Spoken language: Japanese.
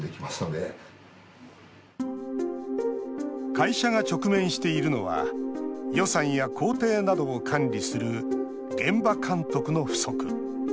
会社が直面しているのは予算や工程などを管理する現場監督の不足。